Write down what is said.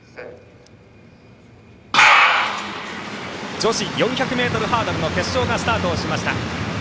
女子４００ｍハードルの決勝がスタートしました。